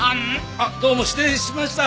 あっどうも失礼しました。